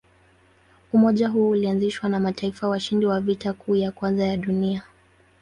Umoja huo ulianzishwa na mataifa washindi wa Vita Kuu ya Kwanza ya Dunia.